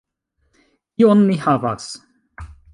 Kion ni havas?